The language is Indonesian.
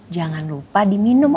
jangan lupa diminum